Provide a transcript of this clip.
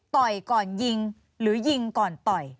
ก่อนยิงหรือยิงก่อนต่อย